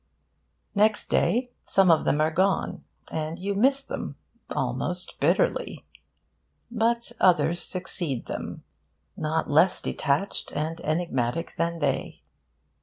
Next day, some of them are gone; and you miss them, almost bitterly. But others succeed them, not less detached and enigmatic than they.